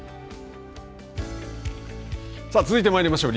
続いてまいりましょう。